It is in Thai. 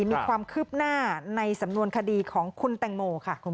มีความคืบหน้าในสำนวนคดีของคุณแตงโมค่ะ